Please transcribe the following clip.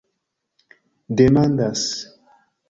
demandas